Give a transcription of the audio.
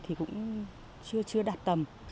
thì cũng chưa đạt tầm